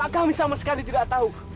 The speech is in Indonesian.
kami sama sekali tidak tahu